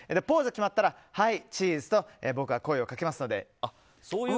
ポーズが決まったらはい、チーズ！と僕が声をかけますので。